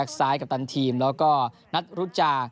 ซ้ายกัปตันทีมแล้วก็นัทรุจา